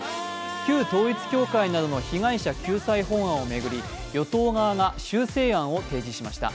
旧統一教会などの被害者救済法案を巡り与党側が修正案を提示しました。